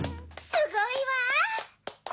すごいわ。